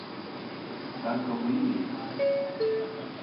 Sen kafayı mı yedin?